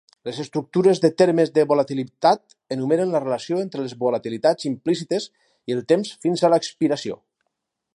Les estructures de termes de volatilitat enumeren la relació entre les volatilitats implícites i el temps fins a l'expiració.